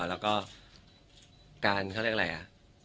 แล้วก็การเขาเรียกอะไรอ่ะ